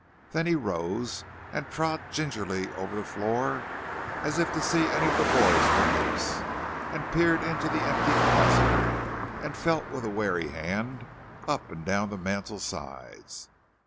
Then he rose and trod gingerly over the floor, as if to see if any of the boards were loose, and peered into the empty closet, and felt with wary hand up and down the mantel sides.